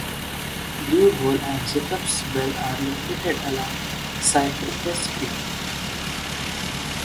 Blue Hole and Jacob's Well are located along Cypress Creek.